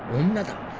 女だ。